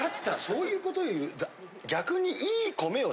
そういうこと言う逆に。